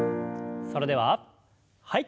それでははい。